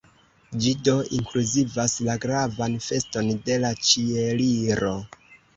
Ĝi do inkluzivas la gravan feston de la Ĉieliro.